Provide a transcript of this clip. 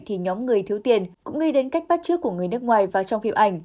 thì nhóm người thiếu tiền cũng nghĩ đến cách bắt trước của người nước ngoài và trong phim ảnh